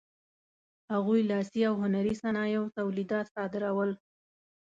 هغوی لاسي او هنري صنایعو تولیدات صادرول.